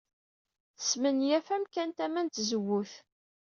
Tesmenyaf amkan tama n tzewwut.